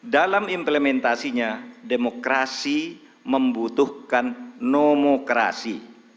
dalam implementasinya demokrasi membutuhkan nomokrasi